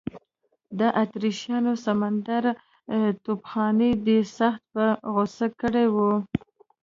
د اتریشیانو سمندري توپخانې دی سخت په غوسه کړی و.